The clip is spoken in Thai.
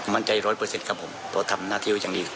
มันใจ๑๐๐กับผมตัวทำหน้าที่อยู่อย่างนี้